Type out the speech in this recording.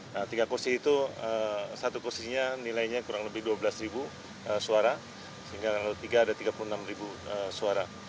nah tiga kursi itu satu kursinya nilainya kurang lebih dua belas suara sehingga tanggal tiga ada tiga puluh enam suara